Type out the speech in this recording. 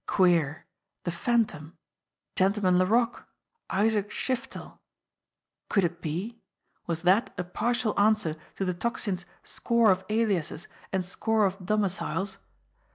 Queer ! The Phantom! Gentleman Laroque Isaac Shiftel! Could it be? Was that a partial answer to the Tocsin's "score of aliases and score of domiciles"?